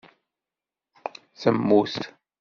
Temmut.